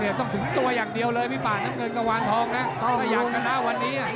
ต้องถึงตัวอย่างเดียวเลยพี่ป่าน้ำเงินกะวานทองนะถ้าอยากชนะวันนี้